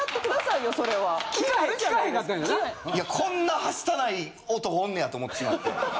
いやこんなはしたない男おんねやと思ってしまって。